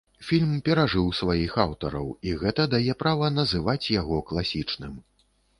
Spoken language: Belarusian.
Фільм перажыў сваіх аўтараў, і гэта дае права называць яго класічным.